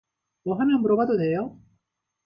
뭐 하나 물어봐도 돼요?